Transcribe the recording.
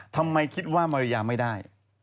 ทำไมคิดว่ามาริยาไม่ได้